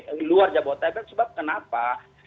keluar jadwal ritapak sebab kenapa